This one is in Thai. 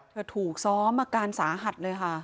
ถูกซ้อมอาการสาหัสเลยค่ะ